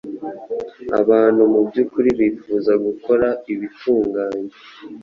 abantu mu by’ukuri bifuza gukora ibitunganye